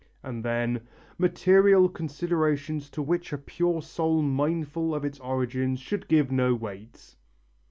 And then "... material considerations to which a pure soul mindful of its origin should give no weight."